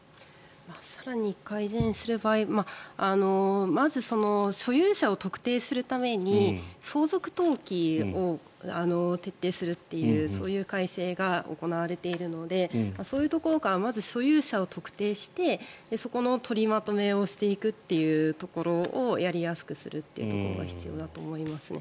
更に改善する場合まず所有者を特定するために相続登記を徹底するというそういう改正が行われているのでそういうところからまず所有者を特定してそこの取りまとめをしていくというところをやりやすくするというところが必要だと思いますね。